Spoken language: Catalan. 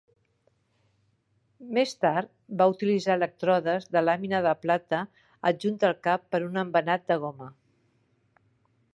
Més tard va utilitzar elèctrodes de làmina de plata adjunta al cap per un embenat de goma.